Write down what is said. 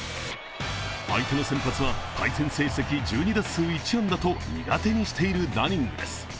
相手の先発は、対戦成績１２打数１安打と苦手にしているダニングです。